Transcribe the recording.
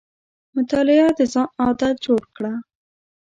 مطالعه د ځان عادت جوړ کړه.